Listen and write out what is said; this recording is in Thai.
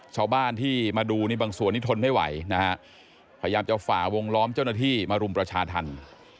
ชาวบ้านที่มาดูนี่บางส่วนนี้ทนไม่ไหวนะฮะพยายามจะฝ่าวงล้อมเจ้าหน้าที่มารุมประชาธรรม